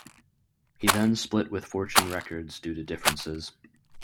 He then split with Fortune Records due to differences.